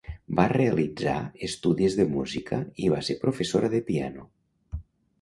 Va realitzar estudis de música i va ser professora de piano.